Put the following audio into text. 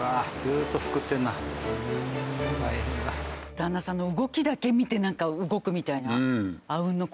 旦那さんの動きだけ見てなんか動くみたいな。